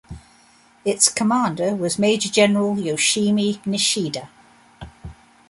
Its commander was Major General Yoshimi Nishida.